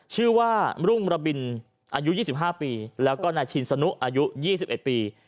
ชื่อว่ารุ่งระบินอายุ๒๕ปีแล้วก็นายชินสนุอายุ๒๑ปี